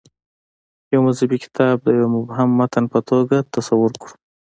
یو مذهبي کتاب د یوه مبهم متن په توګه تصور کړو.